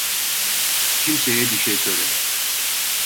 Kimseye bir şey söyleme.